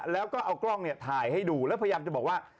แล้วก็เอากล้องเนี่ยถ่ายให้ดูแล้วพยายามจะบอกว่า